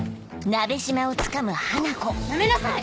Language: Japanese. やめなさい！